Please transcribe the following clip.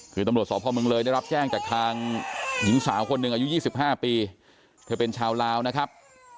คือตำรวจสพเมืองเลยได้รับแจ้งจากทางหญิงสาวคนหนึ่งอายุ๒๕ปีเธอเป็นชาวลาวนะครับ